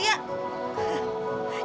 ibu pergi ah